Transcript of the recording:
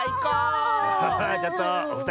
ちょっとおふたりさん